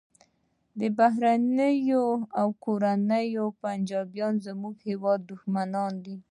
بهرني او کورني پنجابیان زموږ د هیواد دښمنان دي